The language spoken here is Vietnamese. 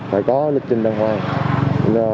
phải có lịch trình đàng hoàng